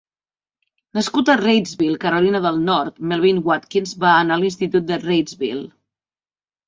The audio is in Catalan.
Nascut a Reidsville, Carolina del Nord, Melvin Watkins va anar a l'institut de Reidsville.